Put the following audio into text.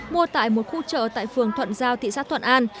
mua tại một khu chợ tại phường thuận giao thị xã thuận an